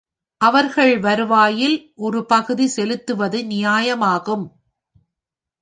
அவர்கள் வருவாயில் ஒரு பகுதி செலுத்துவது நியாயம் ஆகும்.